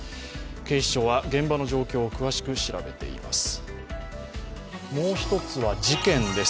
警視庁は現場の状況を詳しく調べています。